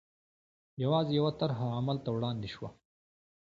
یوازې یوه طرحه عمل ته وړاندې شوه.